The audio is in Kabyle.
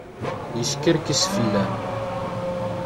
Yeskerkes fell-am.